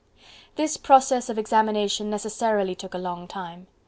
This process of examination necessarily took a long time.